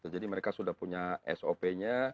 jadi mereka sudah punya sop nya